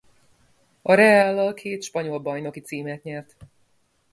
A Reallal két spanyol bajnoki címet nyert.